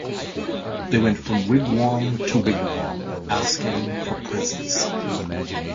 They went from wigwam to wigwam asking for presents.